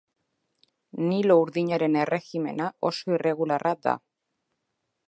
Nilo Urdinaren erregimena oso irregularra da.